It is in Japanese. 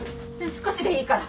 少しでいいから。